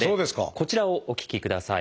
こちらをお聞きください。